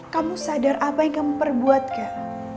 kamu sadar apa yang kamu perbuat kak